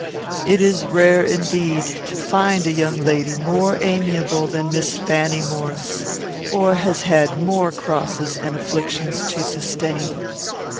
It is rare, indeed, to find a young lady more amiable than Miss Fanny Maurice, or who has had more crosses and afflictions to sustain.